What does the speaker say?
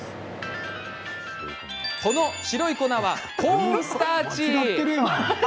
この白い粉はコーンスターチ。